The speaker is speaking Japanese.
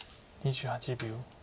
２８秒。